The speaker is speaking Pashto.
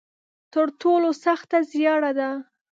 تر ټولو سخته زیاړه ده.